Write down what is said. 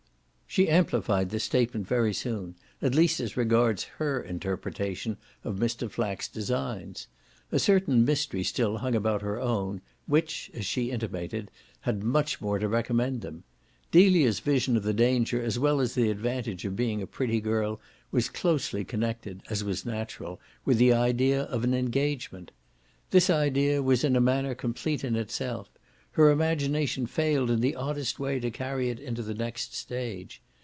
She amplified this statement very soon at least as regards her interpretation of Mr. Flack's designs: a certain mystery still hung about her own, which, as she intimated, had much more to recommend them. Delia's vision of the danger as well as the advantage of being a pretty girl was closely connected, as was natural, with the idea of an "engagement": this idea was in a manner complete in itself her imagination failed in the oddest way to carry it into the next stage.